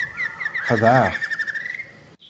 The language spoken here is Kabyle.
Xedɛeɣ-t.